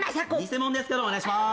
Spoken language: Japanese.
偽者ですけどお願いします